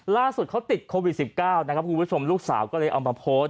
ล่าสุดเขาติดโควิด๑๙นะครับคุณผู้ชมลูกสาวก็เลยเอามาโพสต์